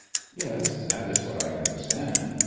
" ''Yes, that is what I under stood.